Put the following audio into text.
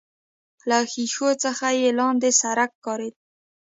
له ښيښو څخه يې لاندې سړک ښکارېده.